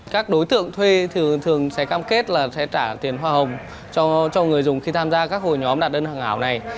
các đối tượng thuê thường thường sẽ cam kết là sẽ trả tiền hoa hồng cho người dùng khi tham gia các hội nhóm đặt đơn hàng ảo này